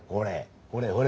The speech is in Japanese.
ほれほれ